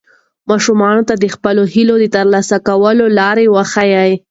ماشومانو ته د خپلو هیلو د ترلاسه کولو لار وښایئ.